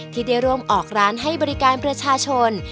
ที่ได้ร่วมออกร้านให้บริการประชาชน